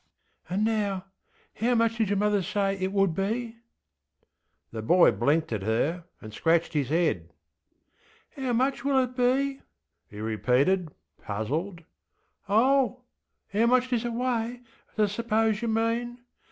ŌĆśAnd nowŌĆöhow much did your mother say it would be? ŌĆÖ The boy blinked at her, and scratched his head. ŌĆśHow much will it be, ŌĆÖ he repeated, puzzled. ŌĆśOhŌĆöhow much does it weigh I sŌĆÖpose yer mean.